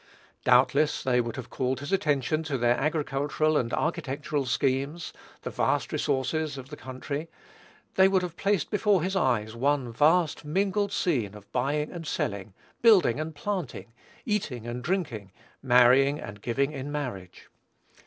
Doubtless they would have called his attention to their agricultural and architectural schemes, the vast resources of the country; they would have placed before his eyes one vast, mingled scene of buying and selling, building and planting, eating and drinking, marrying and giving in marriage.